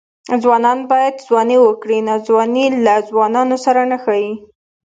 ځوان باید ځواني وکړي؛ ناځواني له ځوانانو سره نه ښايي.